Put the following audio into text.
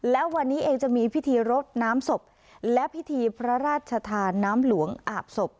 และวันนี้เองจะมีพิธีรดน้ำศพและพิธีพระราชทานน้ำหลวงอาบศพ